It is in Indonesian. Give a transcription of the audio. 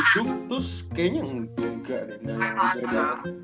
di duke terus kayaknya ngeduga deh